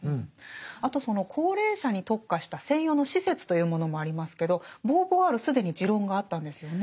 あとその高齢者に特化した専用の施設というものもありますけどボーヴォワール既に持論があったんですよね。